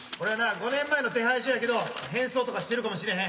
５年前の手配書やけど変装とかしてるかもしれへん。